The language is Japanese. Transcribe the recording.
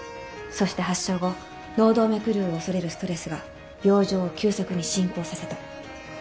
そして発症後脳動脈瘤を恐れるストレスが病状を急速に進行させた。